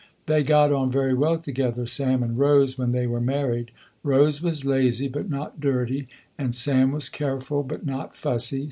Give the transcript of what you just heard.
They got on very well together, Sam and Rose, when they were married. Rose was lazy, but not dirty, and Sam was careful but not fussy.